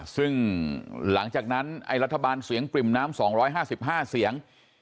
ซึ่งหลังจากนั้นรัฐบาลเสียงปริ่มน้ำ๒๕๕เสียง